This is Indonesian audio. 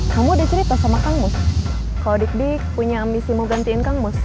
kamu ada cerita sama kang mus kalau dik dik punya ambisi mau gantiin kang mus